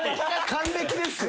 還暦ですよね。